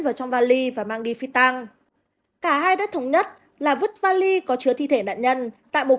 vào trong vali và mang đi phi tàng cả hai đất thống nhất là vứt vali có chứa thi thể nạn nhân tại một